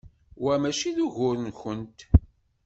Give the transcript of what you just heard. Wa mačči d ugur-nkent.